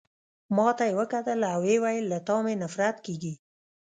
ما ته يې وکتل او ويې ویل: له تا مي نفرت کیږي.